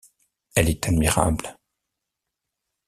Elle est admirable.